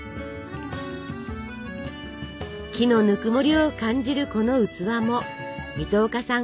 木のぬくもりを感じるこの器も水戸岡さん